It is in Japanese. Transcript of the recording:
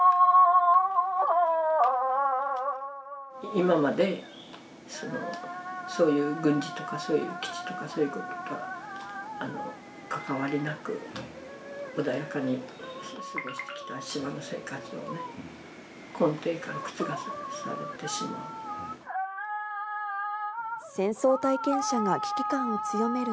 今まで、そういう軍事とか、そういう基地とか、そういうことに関わりなく、穏やかに過ごしてきた島の生活をね、戦争体験者が危機感を強める